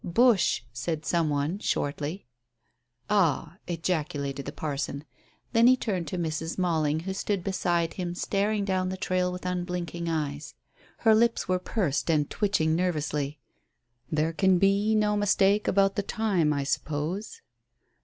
"Bush," said some one shortly. "Ah," ejaculated the parson. Then he turned to Mrs. Malling, who stood beside him staring down the trail with unblinking eyes. Her lips were pursed and twitching nervously. "There can have been no mistake about the time, I suppose?"